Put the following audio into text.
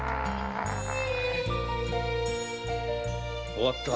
終わった。